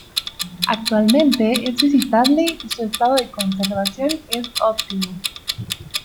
Actualmente es visitable y su estado de conservación es óptimo.